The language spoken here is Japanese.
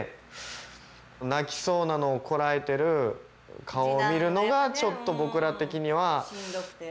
泣きそうなのをこらえてる顔を見るのがちょっと僕ら的には。しんどくて。